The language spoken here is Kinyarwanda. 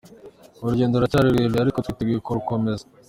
Urugendo ruracyari rurerure ariko twiteguye kurukomeza.